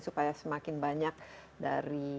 supaya semakin banyak dari